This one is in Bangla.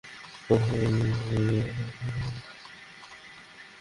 অথচ মেয়েদের বিয়ের বয়সের ক্ষেত্রে সরকারের মধ্যে শিথিল ভাব দেখা যাচ্ছে।